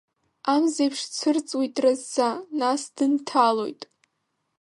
Амзеиԥш дцәырҵуеит дразӡа, нас дынҭалоит!